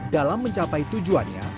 dalam mencapai tujuannya